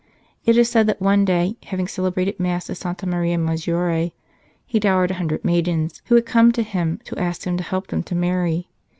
It is said that one day, having celebrated Mass at Santa Maria Maggiore, he dowered a hundred maidens who had come to him to ask him to help them to marry.